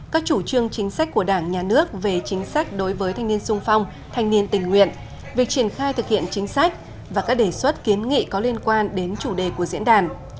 các chủ trương chính sách của đảng nhà nước về chính sách đối với thanh niên sung phong thanh niên tình nguyện việc triển khai thực hiện chính sách và các đề xuất kiến nghị có liên quan đến chủ đề của diễn đàn